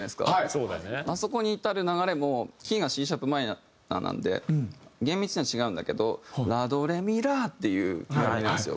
あそこに至る流れもキーがＣシャープマイナーなので厳密には違うんだけど「ラドレミラ」っていう流れなんですよ。